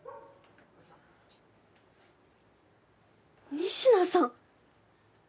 仁科さん！